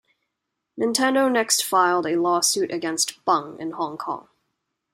Nintendo next filed a lawsuit against Bung in Hong Kong.